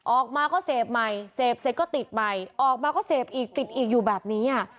ออกมาก็เสพใหม่เสพเสร็จก็ติดใหม่ออกมาก็เสพอีกติดอีกอยู่แบบนี้อ่ะ